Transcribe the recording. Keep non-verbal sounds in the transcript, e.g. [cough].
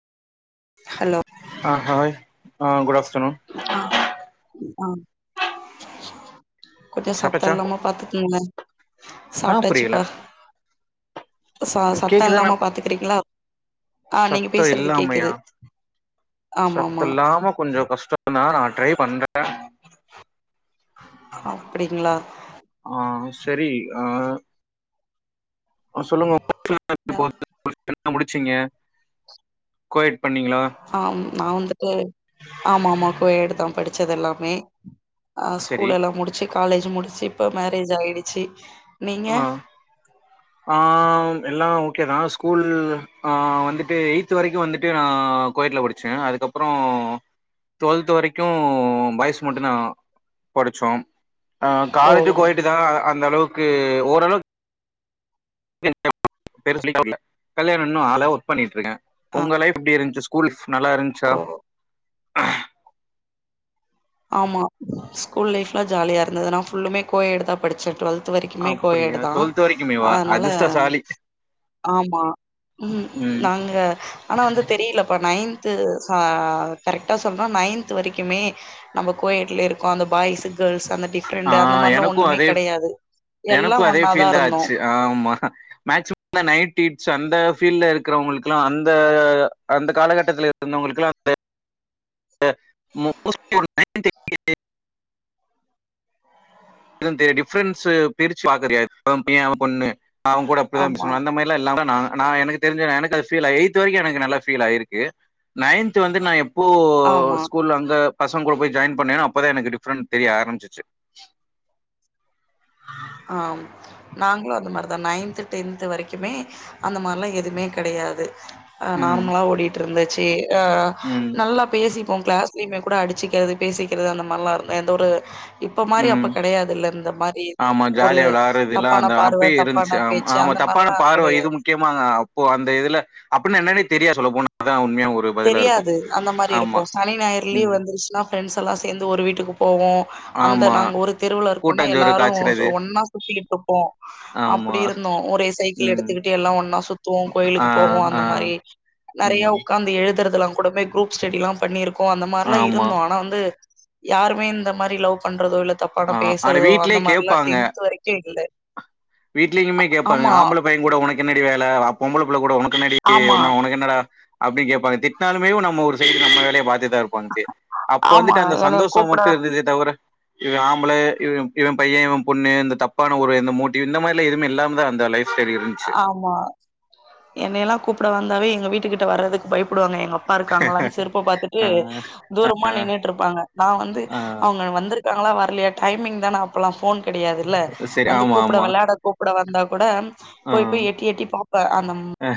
Hello ஆ hi ஆ good afternoon ஆ ஆ கொஞ்சோ சத்தோ சாப்ட்டாச்சா இல்லாம பாத்துக்குங்க ஆ புரியல சாப்ட்டாச்சுப்பா ச ம், சத்தோ கேக்குதா நா இல்லாம பாத்துக்குறிங்ளா ஆ நீங்க சத்தோ பேசுறது இல்லாமையா கேக்குது ஆமாமா நானா ட்ரை பண்றே அப்டிங்களா ஆ செரி ஆ ஆ சொல்லுங்க மேம் [inaudible] எப்டி போது [inaudible] என்ன முடிச்சிங்க கோயெட் பண்ணீங்களா ஆம் நா வந்துட்டு ஆமா ஆமா கோயெடு தா படிச்சது எல்லாமே ஆ சரி ஸ்கூல் எல்லா முடிச்சு காலேஜ் முடிச்சு இப்ப மேரேஜ் ஆயிடுச்சு ஆ உ ஆ எல்லா ஓகே தா ஸ்கூலு ஆ வந்துட்டு எயித் வரைக்கு வந்துட்டு நா கோயெட் ல படிச் ச்சே அதுக்கப்பறோ டுவெல்த் வரைக்கு பாய்ஸ் மட்டுந்தா படிச்சோ ஆ ஓ காலேஜ் போயெட்டு தா அந்தளவுக்கு ஓரளக் [inaudible] கல்யாணோ இன்னு ஆவல ஒர்க் பண்ணிட்ருக்க ஆ உங்க லைஃப் எப்டி இருந்ச்சு கூல்ஃஸ் நல்லா இருந்ச்சா ஓ ஆமா ஸ்கூல் லைஃப்லா ஜாலியா இருந்தது நா ஃபுல்லுமே கோயெட்டு தா படிச்சே ட்வெல்த் து வரிக்குமே அப்டியா கோயெடுதா டுவெல்த் வரைக்குமேவா அதனால அதிர்ஷ்டசாலி ஆமா ம் நாங்க ஆனா வந்து தெரியலப்பா நைன் த்து அ கரெக்டா சொல்ன்னா நைன்த்து வரிக்குமே நம்ம கோயெட்ல இருக்கு அந்த பாய்ஸு கேள்ஸு அந்த டிஃப் ஆ ரெண்டு அந்த மாரிலா எனக்கு ஒண்ணுமே அதே கெடையாது எல்லா எனக்கு அதே ஒன்னாதா ஃபீல் தா இருந்தோ ஆச்சு ஆமா மேக்சிமம் ந்த நைட் டிஸ் அந்த பீல்ட்ல இருக்கிறவங்களுக்குல்லா அந்த அந்த காலகட்டத்தில இ இருந்தவங்களுக்குலா [unintelligible] தெ டிஃப்ரென்ஸ் பிரிச்சு பாக் தெரியாது அவ பைய அவ பொண்ணு அவங்கூட பே ஆமா, [unintelligible] அந்த மாரி ல்லா இல்லாம நா நா எனக்கு தெரிஞ்ச எனக்கது ஃபீல் ஆயி எய்த்து வரைக்கு எனக்கு நல்லா ஃபீல் ஆயிருக்கு நைன்த்து வந்து நா எப்போ ஒ ஆமா. ஸ்கூல அங்க பசங் கூட போய் ஜாயின் பண்ணேன்னோ அப்பதா எனக்கு டிஃப்ரெண் தெரிய ஆரம்பிச்சுச்சு ஆம் நாங்களு அந்த மாரிதா நைன்த்து டென்த்து வரைக்குமே அந்த மார்லா எதுமே கெடையாது அ ம் நார்மலா ஓடிட்டுருந்தச்சு அ ம் நல்லா பேசி ப்போம் க்ளாஸ்லயுமே கூட அடிச்சிக்கிறது பேசிக்கிறது அந்த மார்லா இருந்தோ எந்த ஒரு இப்ப மாரி ம் அப்ப கெடையாதுல்ல இந்த மாரி ஆமா ஒரு ஜாலியா விளாட்றது எல்லா தப்பான அந்த பார்வ அப்பயு இருந்துச்சு தப்பான ஆ பேச்சு ஆமா அந்த தப்பான மாரிலா பார்வ கெடையா இது முக்யமா அப்போ அந்த இதுல அப்பன்னு என்னனே தெரியாத் சொல்லப் போன இதா உண்மைய ஒரு பதிலா இருக்கு தெரியாது அந்த மாரி இருக்கு ஆமா சனி ஞாயற் லீவு ம் வந்துருச்சுன்னா ஃப்ரெண்ட்ஸ்ஸெல்லா சேந்து ஒரு வீட்டுக்கு போவோ அந்த ஆமா நாங்க ஒரு தெருவுல இருக்கோனா கூட்டாஞ்சோறு எல்லாரு சோ காய்ச்சறது ஒன்னா சுத்திகிட்டுருப்போ ஆமா அப்படி இருந்தோ ஒரே சைக்கிள் ம் எடுத்துக்கிட்டு எல்லா ஒன்னா சுத்துவோ ஆ கோயிலுக்கு போவோ ஆ அந்த மாரி நெறைய ம் உக்காந்து எழுதுறதெல்லா கூடமே குரூப் ஸ்டெடில்லா பண்ணிருக்கோ அந்த மார்ல்லா ஆமா இருந்தோ ஆனா வந்து யாருமே இந்த மாரி லவ் பண்றதோ இல்ல தப்பான ஆ ஆனா பேசுறதோ அந்த வீட்லயே மார்ல்லா கேப்பாங்க டென்த்து வரை இங்கே இல்ல ஆமா பைய கூட உனக்கென்னாடி வேல பொம்புப்புள்ள கூட உனக்கென்னடி ஆமா ஒன்னு உனக்கு என்னடா அப்டின் கேபாங்க திட்னாலுமே நம்மோ ஒரு சைடு நம்ம வேலய பாத்துட் தா இரு ப்பன்ட்டு அப்ப ஆமா வந்துட்டு அந்த என்னய சந்தோஷம் கூப்ட மட்டு இருந்துது தவிர இவ ஆம்பள இ இவ பைய இவ பொண்ணு இந்த தப்பான ஒரு இந்த மோ இந்த மாரிலா எதுமே இல்லாம்தா அந்த லைஃப் ஸ்டைல் இருந் ஆமா என்னயெல்லா கூப்பிட வந்தாவே எங்க வீட்டுக்கிட்ட வர்றதுக்கு பயப்படுவாங்க எங்கப் பா இருக்காங்களான் செருப்ப பாாரத்துட்டு ஆ தூரமா நின்னுட்டுருப்பாங்க நா வந்து ஆ அவுங்க வந்துரு க்காங்களா வர்லயா டைமிங் தான அப்பல்லா ஃபோன் கெடையாது ல சரி வந்து ஆமா கூப்பிட ஆமா விளாட கூப்பிட வந்தா கூட ஆ போய் போய் எட்டி எட்டி பாப்பே அந்த ம் ஆ